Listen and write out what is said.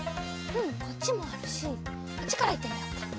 こっちもあるしこっちからいってみようか。